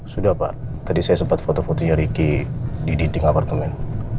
sudah pak tadi saya sempat foto fotonya ricky di dinding apartemen